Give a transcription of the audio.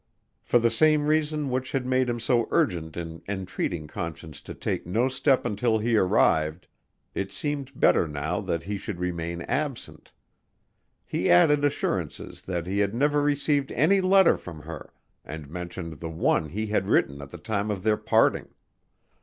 For the same reason which had made him so urgent in entreating Conscience to take no step until he arrived, it seemed better now that he should remain absent. He added assurances that he had never received any letter from her and mentioned the one he had written at the time of their parting.